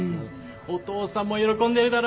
お父さんも喜んでるだろ。